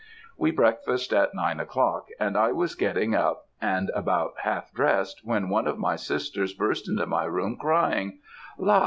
"We breakfasted at nine o'clock, and I was getting up, and about half dressed, when one of my sisters burst into my room, crying, 'La!